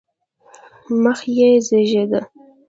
مخ یې زېړېده.